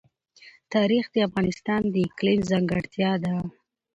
تاریخ د افغانستان د اقلیم ځانګړتیا ده.